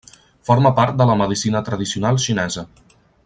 Forma part de la medicina tradicional xinesa.